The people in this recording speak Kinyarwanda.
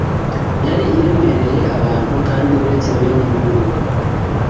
yari iremereye abantu kandi uretse bene inyungu